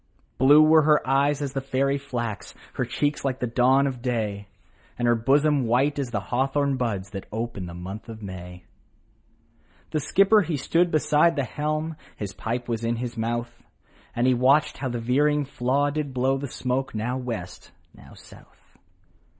Blue were her eyes as the fairy flax, Her cheeks like the dawn of day, And her bosom white as the hawthorn buds, That ope in the month of May. The skipper he stood beside the helm, His pipe was in his mouth, And he watched how the veering flaw did blow The smoke now West, now South.